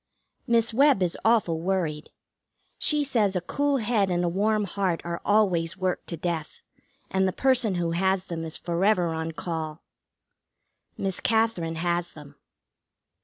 Miss Webb is awful worried. She says a cool head and a warm heart are always worked to death, and the person who has them is forever on call. Miss Katherine has them.